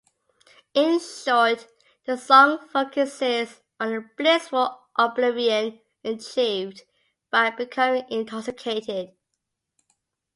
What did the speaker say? In short, the song focuses on the blissful oblivion achieved by becoming intoxicated.